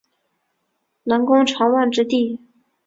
南宫长万之弟。